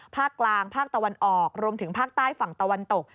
ภาคกลางภาคตะวันออกรวมถึงภาคใต้ฝั่งตะวันตก